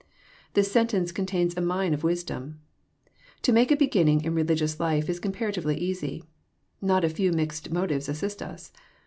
This sentence contains a mine of wisdom. To make a beginning in religious life is comparatively easy. Not a few mixed motives assist us.